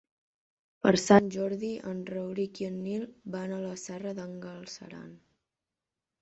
Per Sant Jordi en Rauric i en Nil van a la Serra d'en Galceran.